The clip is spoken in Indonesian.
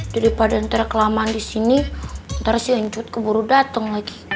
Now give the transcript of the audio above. daripada ntar kelamaan disini ntar si yancut keburu dateng lagi